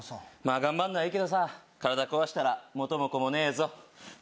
まあ頑張るのはいいけどさ体壊したら元も子もねえぞ。